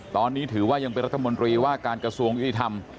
ตอนนี้ถือว่ายังเป็นรัฐมนตรีว่าการกระทรวงยุติธรรม